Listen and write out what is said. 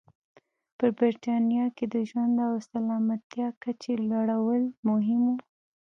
په برېټانیا کې د ژوند او سلامتیا کچې لوړول مهم و.